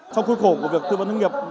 trong khuôn khổ của việc tư vấn hướng nghiệp